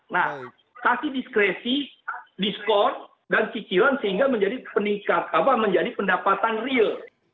nah kasih diskresi diskon dan cicilan sehingga menjadi pendapatan real